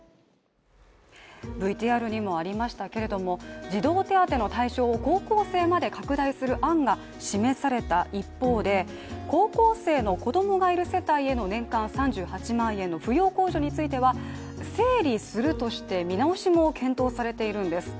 ＶＴＲにもありましたけれども、児童手当の対象を高校生まで拡大する案が示された一方で、高校生の子供がいる世帯への年間３８万円の扶養控除については、整理するとして見直しも検討されているんです。